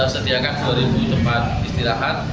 setiakan dua tempat istirahat